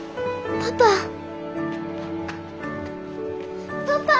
パパ！